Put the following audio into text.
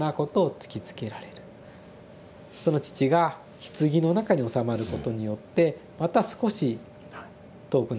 その父がひつぎの中に納まることによってまた少し遠くなっていく。